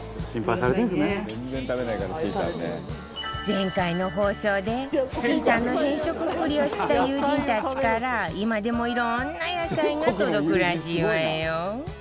前回の放送でちーたんの偏食っぷりを知った友人たちから今でもいろんな野菜が届くらしいわよ。